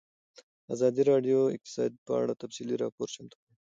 ازادي راډیو د اقتصاد په اړه تفصیلي راپور چمتو کړی.